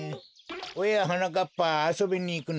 おやはなかっぱあそびにいくのか？